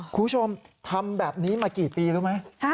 คุณผู้ชมทำแบบนี้มากี่ปีรู้ไหม